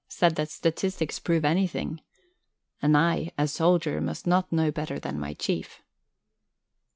said that statistics prove anything. And I, a soldier, must not know better than my Chief.